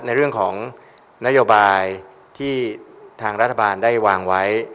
ในเรื่องของนโยบายที่ทางรัฐบาลได้วางไว้